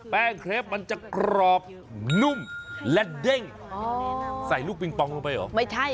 เครปมันจะกรอบนุ่มและเด้งใส่ลูกปิงปองลงไปเหรอไม่ใช่